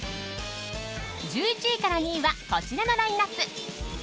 １１位から２位はこちらのラインアップ。